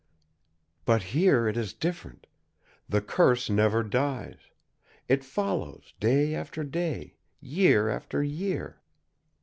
But here it is different. The curse never dies. It follows, day after day, year after year.